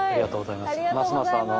ありがとうございます。